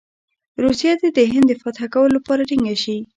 روسیه دې د هند د فتح کولو لپاره ټینګه شي.